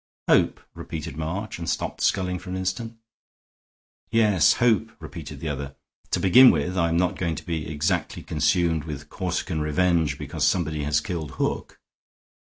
"Hope?" repeated March, and stopped sculling for an instant. "Yes, hope," repeated the other. "To begin with, I'm not going to be exactly consumed with Corsican revenge because somebody has killed Hook.